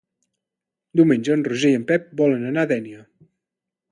Diumenge en Roger i en Pep volen anar a Dénia.